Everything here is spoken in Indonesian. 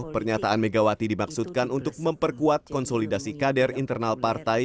pernyataan megawati dimaksudkan untuk memperkuat konsolidasi kader internal partai